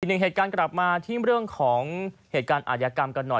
หนึ่งเหตุการณ์กลับมาที่เรื่องของเหตุการณ์อาจยากรรมกันหน่อย